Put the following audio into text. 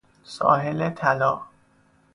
ساحل طلا